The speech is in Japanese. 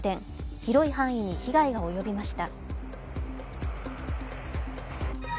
広い範囲に被害が及びました。